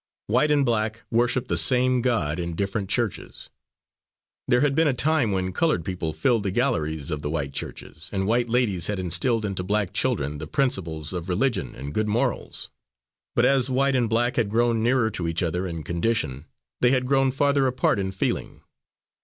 White and black worshipped the same God, in different churches. There had been a time when coloured people filled the galleries of the white churches, and white ladies had instilled into black children the principles of religion and good morals. But as white and black had grown nearer to each other in condition, they had grown farther apart in feeling.